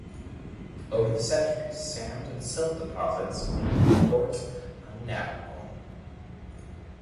Over the centuries sand and silt deposits made the port unnavigable.